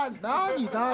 何？